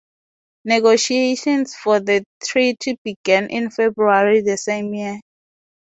Negotiations for the treaty began in February the same year.